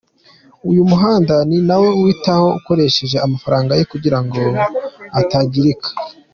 Uyu muhanda ni nawe uwitaho akoresheje amafaranga ye kugira ngo utangirika.